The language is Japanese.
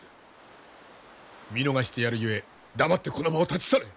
見逃してやるゆえ黙ってこの場を立ち去れ。